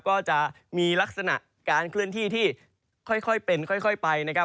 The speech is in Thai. ก็จะมีลักษณะการเคลื่อนที่ที่ค่อยเป็นค่อยไปนะครับ